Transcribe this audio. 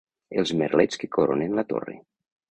Els merlets que coronen la torre.